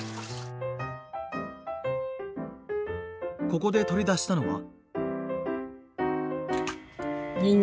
ここで取り出したのは。